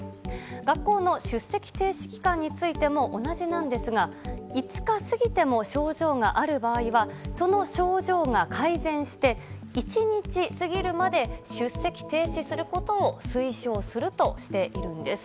学校の出席停止期間についても同じなんですが５日過ぎても症状がある場合はその症状が改善して１日過ぎるまで出席停止することを推奨するとしているんです。